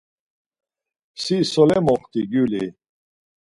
Si sole moxti gyuli!